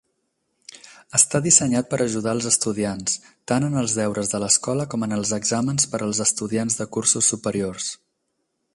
Està dissenyat per ajudar els estudiants, tant en els deures de l'escola com en els exàmens per als estudiants de cursos superiors.